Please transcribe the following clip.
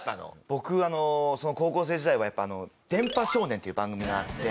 僕高校生時代はやっぱ『電波少年』っていう番組があって。